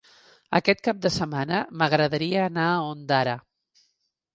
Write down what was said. Aquest cap de setmana m'agradaria anar a Ondara.